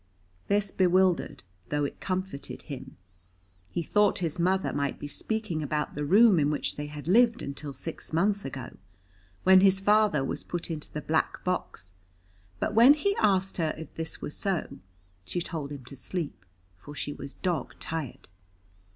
"' This bewildered though it comforted him. He thought his mother might be speaking about the room in which they had lived until six months ago, when his father was put into the black box, but when he asked her if this were so, she told him to sleep, for she was dog tired.